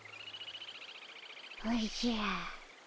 おじゃ。